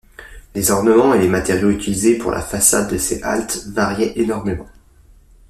Les ornements et les matériaux utilisés pour la façade de ces haltes variaient énormément.